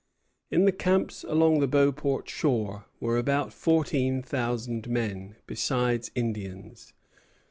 In the camps along the Beauport shore were about fourteen thousand men, besides Indians.